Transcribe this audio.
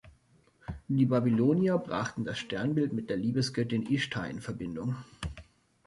Die Babylonier brachten das Sternbild mit der Liebesgöttin Ischtar in Verbindung.